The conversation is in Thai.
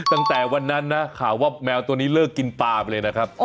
ตั้งแต่วันนั้นนะข่าวว่าแมวตัวนี้เลิกกินปลาไปเลยนะครับ